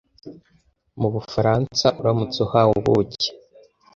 Mubufaransa uramutse uhawe ubuki